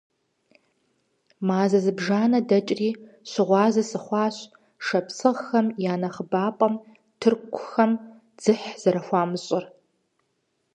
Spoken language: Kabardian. Мазэ зыбжанэ дэкӀри, щыгъуазэ сыхъуащ шапсыгъхэм я нэхъыбапӀэм тыркухэм дзыхь зэрыхуамыщӀыр.